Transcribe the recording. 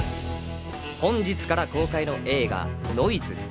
本日から公開の映画『ノイズ』。